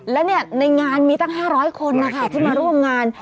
และในงานมีตั้ง๕๐๐คนนะคะที่มาร่วมงาน